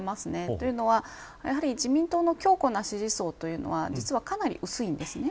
というのは、やはり自民党の強固な支持層は実はかなり薄いんですね。